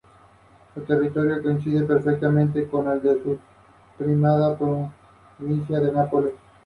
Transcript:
La organización se dedicó a proveer sustento material y político a los refugiados.